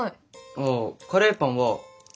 ああカレーパンは圏外。